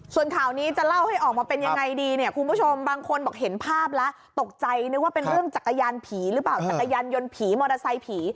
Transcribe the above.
ส่วนข่าวนี้จะเล่าให้ออกมาเป็นยังไงดีเนี่ยคุณผู้ชมบางคนบอกเห็นภาพแล้วตกใจนึกว่าเป็นเรื่องจักรยานผีหรือเปล่าจักรยานยนต์ผีมอเตอร์ไซค์ผี